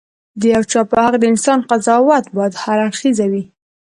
د یو چا په حق د انسان قضاوت باید هراړخيزه وي.